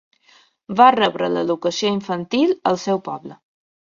Va rebre l'educació infantil al seu poble.